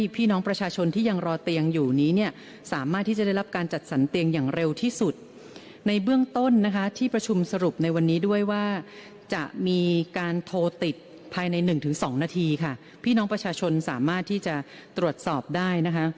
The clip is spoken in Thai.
เพื่อให้ชนสามารถที่จะตรวจสอบได้นะคะ